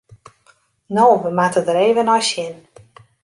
No, we moatte der even nei sjen.